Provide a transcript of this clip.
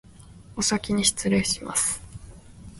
おさきにしつれいします